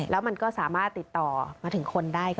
แล้วมันก็สามารถติดต่อมาถึงคนได้